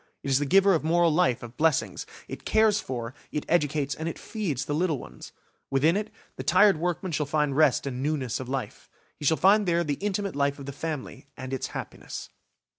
It is the giver of moral life, of blessings; it cares for, it educates and feeds the little ones. Within it, the tired workman shall find rest and newness of life. He shall find there the intimate life of the family, and its happiness.